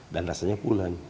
dan rasanya puluhan